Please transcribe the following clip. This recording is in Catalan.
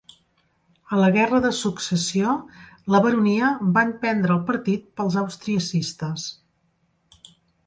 A la guerra de Successió, la baronia van prendre el partit pels austriacistes.